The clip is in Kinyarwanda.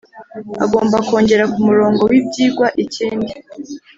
agomba kongera ku murongo w ibyigwa ikindi